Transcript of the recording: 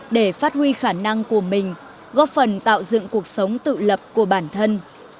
để phát huy khả năng của mình góp phần tạo dựng cuộc sống tự lập của bản thân